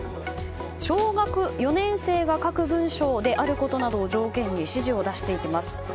小学４年生が書く文章であることなどを条件に指示を出していきます。